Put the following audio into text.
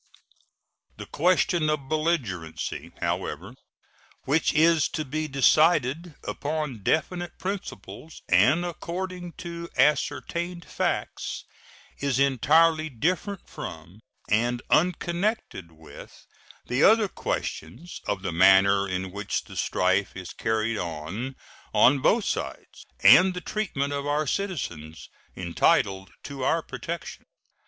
The question of belligerency, however, which is to be decided upon definite principles and according to ascertained facts, is entirely different from and unconnected with the other questions of the manner in which the strife is carried on on both sides and the treatment of our citizens entitled to our protection.